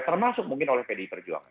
termasuk mungkin oleh pdi perjuangan